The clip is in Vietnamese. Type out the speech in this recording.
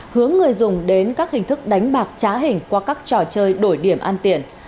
hướng người dùng đến các hình thức đánh bạc trá hình qua các trò chơi đổi điểm an tiền